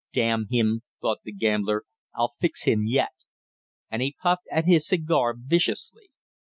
"Damn him!" thought the gambler. "I'll fix him yet!" And he puffed at his cigar viciously.